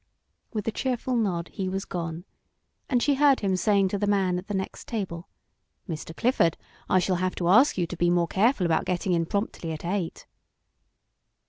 With a cheerful nod he was gone, and she heard him saying to the man at the next table: "Mr. Clifford, I shall have to ask you to be more careful about getting in promptly at eight."